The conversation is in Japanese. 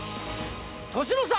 年の差